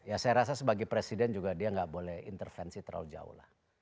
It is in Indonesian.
ya saya rasa sebagai presiden juga dia nggak boleh intervensi terlalu jauh lah